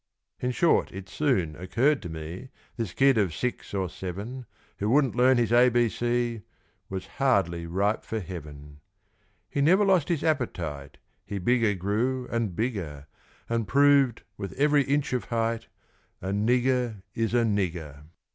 In short, it soon occurred to me This kid of six or seven, Who wouldn't learn his A B C, Was hardly ripe for heaven. He never lost his appetite He bigger grew, and bigger; And proved, with every inch of height, A nigger is a nigger.